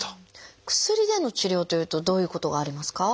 薬での治療というとどういうことがありますか？